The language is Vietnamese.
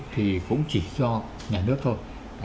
thì cũng chỉ do nhà nước thôi